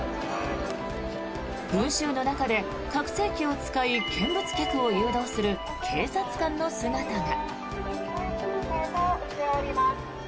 群衆の中で拡声器を使い見物客を誘導する警察官の姿が。